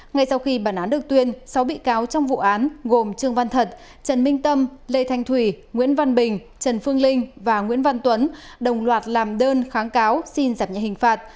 ngay sau khi bản án được tuyên sáu bị cáo trong vụ án gồm trương văn thật trần minh tâm lê thanh thùy nguyễn văn bình trần phương linh và nguyễn văn tuấn đồng loạt làm đơn kháng cáo xin giảm nhẹ hình phạt